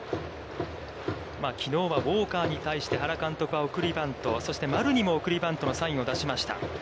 きのうはウォーカーに対して原監督は送りバント、そして丸にも送りバントのサインを出しました。